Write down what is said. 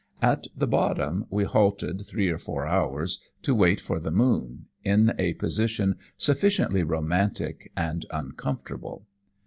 At the bottom we halted three or four hours, to wait for the moon, in a position sufficiently romantic and uncomfortable.